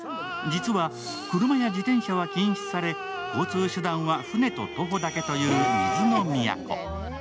実は車や自転車は禁止され、交通手段は船と徒歩だけという水の都。